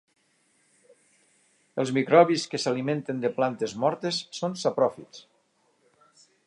Els microbis que s'alimenten de plantes mortes són sapròfits.